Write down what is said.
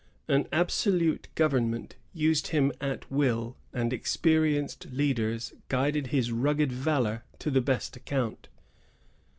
An absolute government used him at will, and experienced leaders guided his rugged valor to the best account.